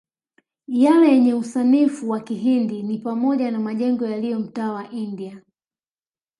Yale yenye usanifu wa kihindi ni pamoja na majengo yaliyo mtaa wa India